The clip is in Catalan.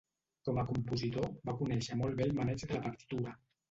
Com a compositor, va conèixer molt bé el maneig de la partitura.